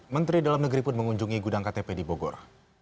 menteri dalam negeri pun mengunjungi gudang ktp di bogor